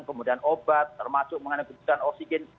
kemudian obat termasuk mengenai kebutuhan oksigen